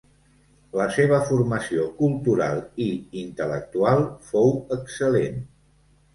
La seva formació cultural i intel·lectual fou excel·lent.